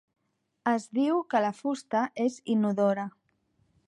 Es diu que la fusta és inodora.